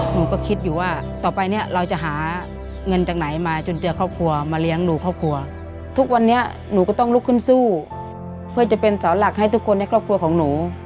หนูก็คิดอยู่ว่าต่อไปเนี่ยเราจะหาเงินจากไหนมาจนเจอครอบครัวมาเลี้ยงดูครอบครัวทุกวันนี้หนูก็ต้องลุกขึ้นสู้เพื่อจะเป็นเสาหลักให้ทุกคนในครอบครัวของหนู